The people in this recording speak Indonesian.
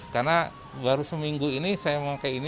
karena baru seminggu ini saya memakai ini